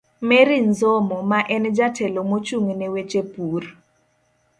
Mary Nzomo, ma en Jatelo mochung'ne weche pur